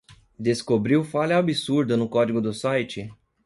Descobriu falha absurda no código do site